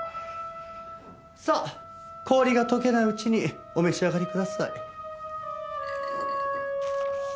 さあ氷が溶けないうちにお召し上がりください。